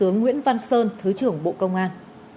nguyễn văn sơn thứ trưởng bộ công an